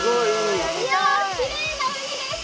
きれいな海です。